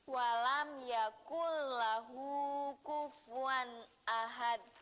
walam yakul lahu kufuan ahad